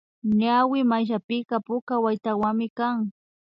Ñawi mayllapika puka waytawami kan